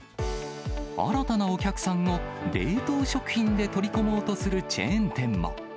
新たなお客さんを冷凍食品で取り込もうとするチェーン店も。